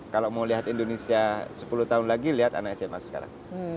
kalau mau lihat indonesia sepuluh tahun lagi lihat anak sma sekarang